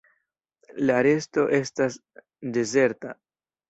La resto estas dezerta.